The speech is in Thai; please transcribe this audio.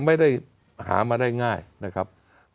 ไม่ได้หามาได้ง่ายนะครับ